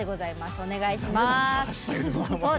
お願いします。